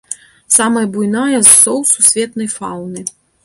Самая буйная з соў сусветнай фаўны.